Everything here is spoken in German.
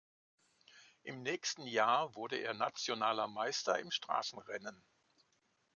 Im nächsten Jahr wurde er nationaler Meister im Straßenrennen.